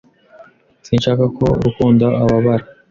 Sinshaka ko rukundo ababara.